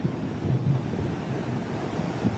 วันก่อนหาไม่เจอเหมือนกัน